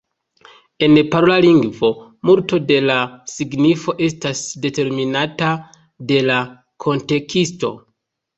En parola lingvo, multo de la signifo estas determinata de la kunteksto.